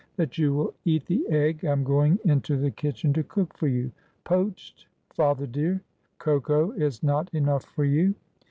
" That you will eat the egg I am going into the kitchen to cook for you. Poached, father dear. Cocoa is not enough for you."